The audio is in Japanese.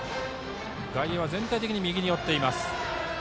外野は全体的に右に寄っています。